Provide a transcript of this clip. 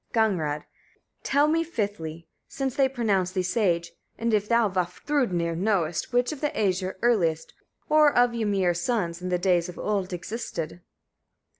Gagnrâd. 28. Tell me fifthly, since they pronounce thee sage, and if thou, Vafthrûdnir! knowest, which of the Æsir earliest, or of Ymir's sons, in days of old existed?